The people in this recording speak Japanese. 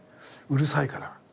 うるさいから。